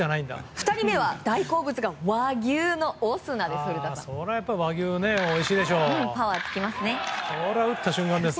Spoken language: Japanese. ２人目は大好物が和牛のオスナです。